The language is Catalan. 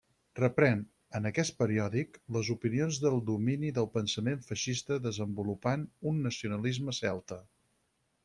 Reprèn, en aquest periòdic, les opinions del domini del pensament feixista desenvolupant un nacionalisme celta.